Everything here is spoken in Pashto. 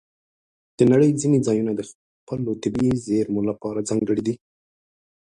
د نړۍ ځینې ځایونه د خپلو طبیعي زیرمو لپاره ځانګړي دي.